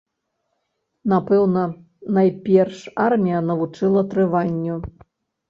Напэўна, найперш армія навучыла трыванню.